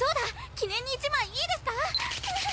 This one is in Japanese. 記念に１枚いいですか？